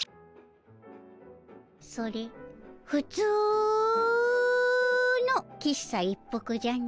それふつうの喫茶一服じゃの。